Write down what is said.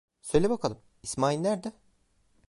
Söyle bakalım, İsmail nerede?